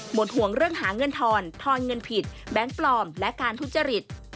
ห่วงเรื่องหาเงินทอนทอนเงินผิดแบงค์ปลอมและการทุจริต